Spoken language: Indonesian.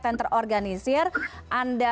yang terorganisir anda